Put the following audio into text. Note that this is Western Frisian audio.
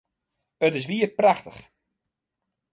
It is wier prachtich!